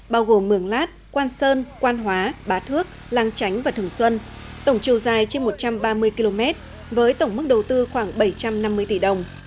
bao gồm mường lát quan sơn quan hóa bá thước lăng chánh và thường xuân tổng chiều dài trên một trăm ba mươi km với tổng mức đầu tư khoảng bảy trăm năm mươi tỷ đồng